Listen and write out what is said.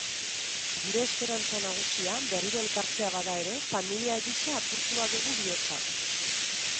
Gure esperantza nagusia berriro elkartzea bada ere, familia gisa apurtua dugu bihotza.